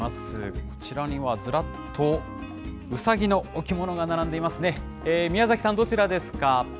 こちらにはずらっとうさぎの置物が並んでいますね。